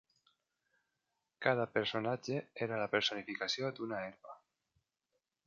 Cada personatge era la personificació d'una herba.